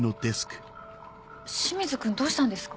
清水君どうしたんですか？